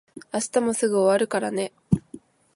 明日もすぐ終わるからね。